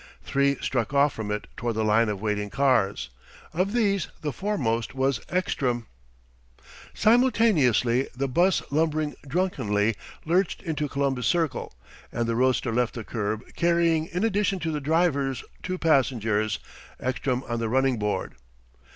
Three struck off from it toward the line of waiting cars. Of these the foremost was Ekstrom. Simultaneously the 'bus, lumbering drunkenly, lurched into Columbus Circle, and the roadster left the curb carrying in addition to the driver two passengers Ekstrom on the running board.